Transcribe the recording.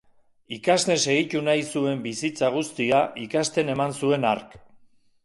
Ikasten segitu nahi zuen bizitza guztia ikasten eman zuen hark.